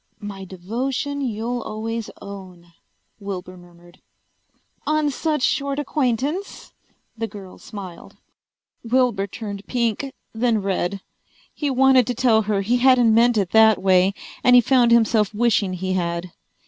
"My devotion you'll always own," Wilbur murmured. "On such short acquaintance?" the girl smiled. Wilbur turned pink, then red. He wanted to tell her he hadn't meant it that way, and he found himself wishing he had.